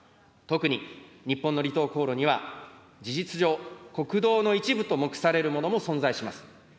特に日本の離島航路には、事実上、国道の一部と目されるものも存在します。